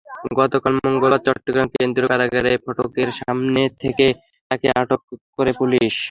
গতকাল মঙ্গলবার চট্টগ্রাম কেন্দ্রীয় কারাগারের ফটকের সামনে থেকে তাঁকে আটক করে পুলিশ।